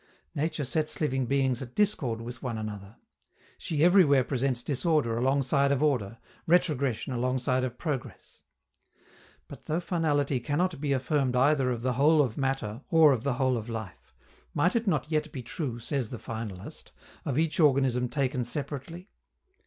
Nature sets living beings at discord with one another. She everywhere presents disorder alongside of order, retrogression alongside of progress. But, though finality cannot be affirmed either of the whole of matter or of the whole of life, might it not yet be true, says the finalist, of each organism taken separately?